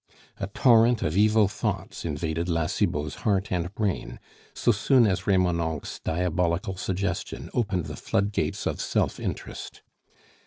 A torrent of evil thoughts invaded La Cibot's heart and brain so soon as Remonencq's diabolical suggestion opened the flood gates of self interest.